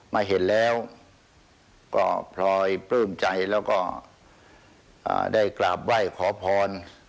มาเห็นแล้วก็พลอยปลื้มใจแล้วก็ได้กราบไหว้ขอพร